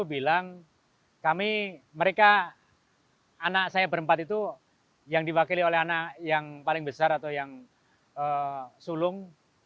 bilang kami mereka anak saya berempat itu yang diwakili oleh anak yang paling besar atau yang sulung